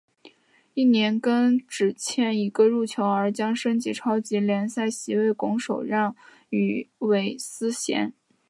翌年更只欠一个入球而将升级超级联赛席位拱手让予韦斯咸。